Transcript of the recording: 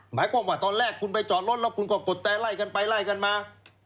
หมายความว่าตอนแรกคุณไปจอดรถแล้วคุณก็กดแต่ไล่กันไปไล่กันมา